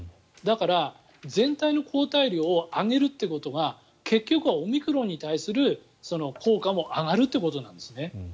だから全体の抗体量を上げることが結局はオミクロンに対する効果も上がるということなんですね。